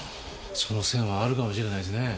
その線はあるかもしれないですね。ね？